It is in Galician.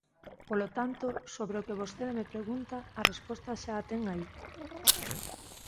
Polo tanto, sobre o que vostede me pregunta, a resposta xa a ten aí.